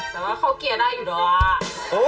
แต่ว่าเขาเคลียร์ได้อยู่แล้วอะ